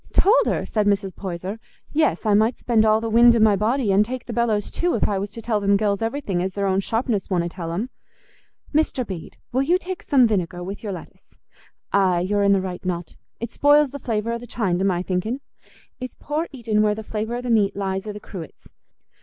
"Told her?" said Mrs. Poyser. "Yes, I might spend all the wind i' my body, an' take the bellows too, if I was to tell them gells everything as their own sharpness wonna tell 'em. Mr. Bede, will you take some vinegar with your lettuce? Aye you're i' the right not. It spoils the flavour o' the chine, to my thinking. It's poor eating where the flavour o' the meat lies i' the cruets.